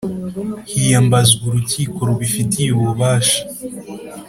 Hiyambazwa urukiko rubifitiye ububasha